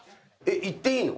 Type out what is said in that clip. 言っていいの？